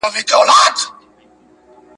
کي به ځي کاروان د اوښو !.